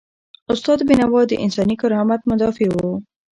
استاد بینوا د انساني کرامت مدافع و.